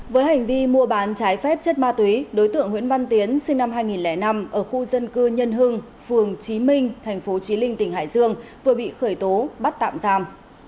với hành vi mua bán trái phép chất ma túy đối tượng nguyễn văn tiến sinh năm hai nghìn năm ở khu dân cư nhân hưng phường trí minh thành phố trí linh tỉnh hải dương vừa bị khởi tố bắt tạm giam